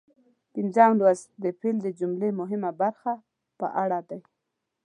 پنځم لوست د فعل د جملې مهمه برخه په اړه دی.